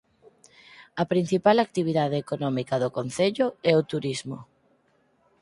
A principal actividade económica do concello é o turismo.